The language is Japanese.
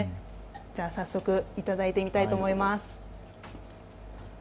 早速いただいてみたいと思います。